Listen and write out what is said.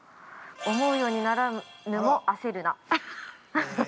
◆思うようにならぬも焦るな。